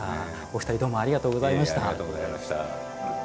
お二人どうもありがとうございました。